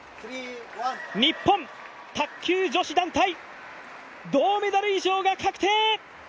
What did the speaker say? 日本、卓球女子団体、銅メダル以上が確定！